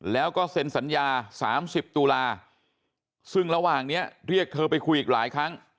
แล้วก็เซ็นสัญญา๓๐ตุลาซึ่งระหว่างนี้เรียกเธอไปคุยอีกหลายครั้ง